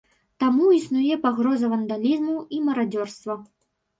Таму існуе пагроза вандалізму і марадзёрства.